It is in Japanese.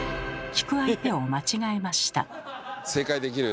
聞く相手を間違えました。